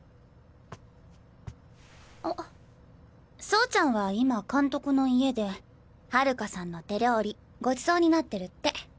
あ走ちゃんは今監督の家で春夏さんの手料理ごちそうになってるって。